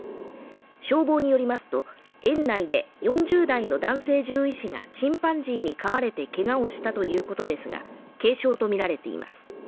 消防によりますと園内で４０代の男性獣医師がチンパンジーに噛まれて怪我をしたということですが軽傷とみられています